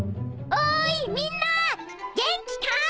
おーいみんな元気か！？